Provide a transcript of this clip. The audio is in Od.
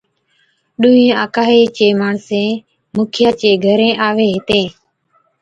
ڏونھِين آڪهِي چين ماڻسين مُکيا چي گھرين آوين ھِتين